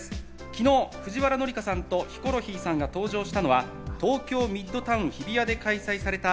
昨日、藤原紀香さんとヒコロヒーさんが登場したのは東京ミッドタウン日比谷で開催された。